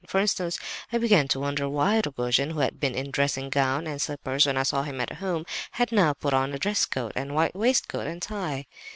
For instance, I began to wonder why Rogojin, who had been in dressing gown and slippers when I saw him at home, had now put on a dress coat and white waistcoat and tie?